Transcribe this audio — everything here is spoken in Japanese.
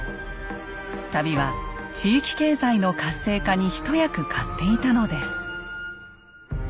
旅は地域経済の活性化に一役買っていたのです。